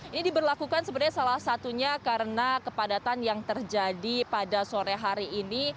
ini diberlakukan sebenarnya salah satunya karena kepadatan yang terjadi pada sore hari ini